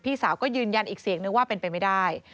สาวก็ยืนยันอีกเสียงนึงว่าเป็นไปไม่ได้